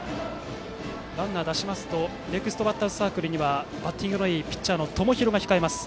ランナーを出すとネクストバッターズサークルにはバッティングのいいピッチャーの友廣が控えます。